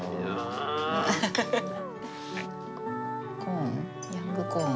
コーンヤングコーン。